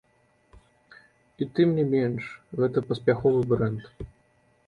І тым не менш, гэта паспяховы брэнд.